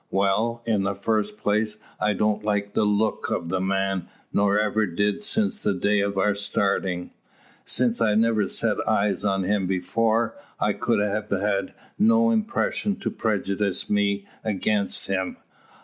"Well; in the first place I don't like the look of the man, nor ever did since the day of our starting. Since I never set eyes on him before, I could have had no impression to prejudice me against him.